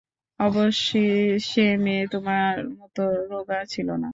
অবশ্যি সে মেয়েটি তোমার মতো রোগা ছিল না।